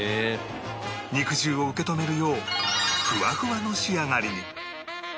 肉汁を受け止めるようふわふわの仕上がりに